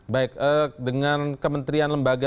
baik dengan kementerian lembaga